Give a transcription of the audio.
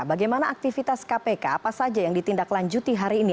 bagaimana aktivitas kpk apa saja yang ditindaklanjuti hari ini